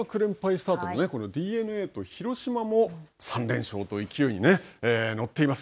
スタートのこのＤｅＮＡと広島も３連勝と勢いに乗っています。